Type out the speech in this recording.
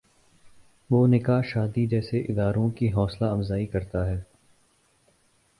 وہ نکاح شادی جیسے اداروں کی حوصلہ افزائی کرتا ہے۔